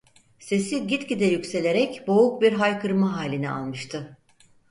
Sesi gitgide yükselerek boğuk bir haykırma halini almıştı.